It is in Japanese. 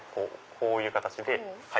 こういう形で。